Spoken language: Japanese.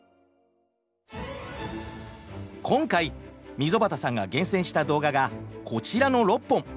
今回溝端さんが厳選した動画がこちらの６本。